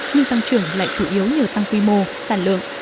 nhưng tăng trưởng lại chủ yếu nhờ tăng quy mô sản lượng